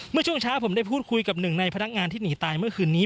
เมื่อช่วงเช้าผมได้พูดคุยกับหนึ่งในพนักงานที่หนีตายเมื่อคืนนี้